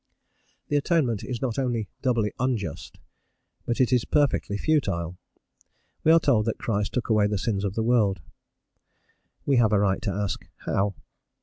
The Atonement is not only doubly unjust, but it is perfectly futile. We are told that Christ took away the sins of the world; we have a right to ask, "how?"